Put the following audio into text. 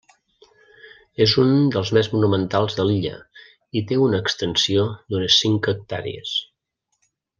És un dels més monumentals de l'illa i té una extensió d’unes cinc hectàrees.